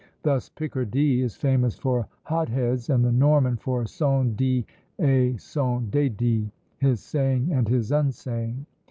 Thus Picardy is famous for "hot heads;" and the Norman for son dit et son dédit, "his saying and his unsaying!"